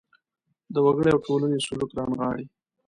د وګړي او ټولنې سلوک رانغاړي.